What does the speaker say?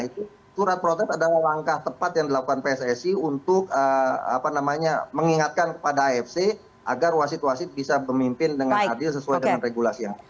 jadi saya melihat ada langkah tepat yang dilakukan pssi untuk mengingatkan kepada afc agar wasit wasit bisa memimpin dengan adil sesuai dengan regulasi